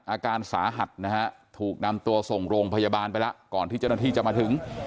อาการสาหัสนะฮะถูกนำตัวส่งโรงพยาบาลไปแล้วก่อนที่เจ้าหน้าที่จะมาถึง